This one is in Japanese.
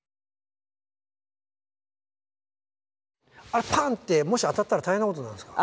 あれパンッてもし当たったら大変なことになるんですか？